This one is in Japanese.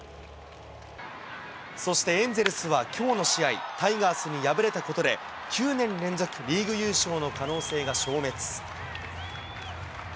そしてエンゼルスはきょうの試合、タイガースに敗れたことで、９年連続リーグ優勝の可能性が消滅。